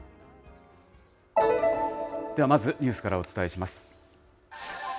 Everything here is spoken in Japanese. ではまず、ニュースからお伝えします。